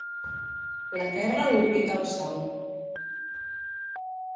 La Terra orbita el Sol.